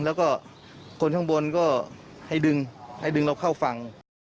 แล้วก็คนข้างบนก็ให้ดึงให้ดึงเราเข้าฝั่ง